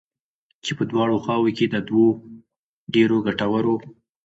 چې په دواړو خواوو كې د دوو ډېرو گټورو